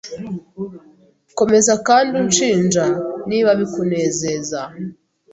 Komeza kandi unshinja niba bikunezeza.